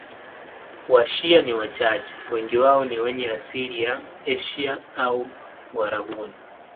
Washia ni wachache, wengi wao ni wenye asili ya Asia au Uarabuni.